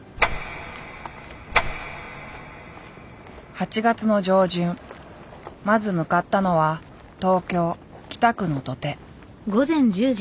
８月の上旬まず向かったのは東京・北区の土手。